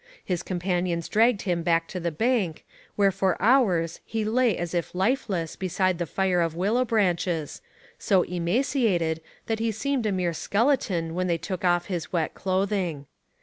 His companions dragged him back to the bank, where for hours he lay as if lifeless beside the fire of willow branches, so emaciated that he seemed a mere skeleton when they took off his wet clothing.